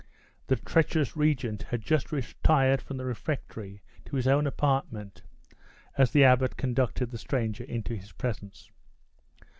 The treacherous regent had just retired from the refectory to his own apartment, as the abbot conducted the stranger into his presence.